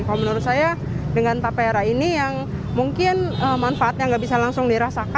kalau menurut saya dengan tapera ini yang mungkin manfaatnya nggak bisa langsung dirasakan